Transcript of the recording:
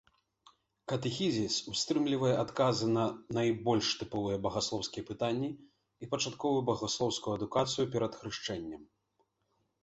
Катэхізіс утрымлівае адказы на найбольш тыповыя багаслоўскія пытанні і пачатковую багаслоўскую адукацыя перад хрышчэннем.